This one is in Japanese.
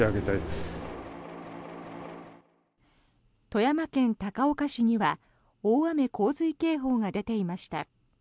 富山県高岡市には大雨・洪水警報が出ていました。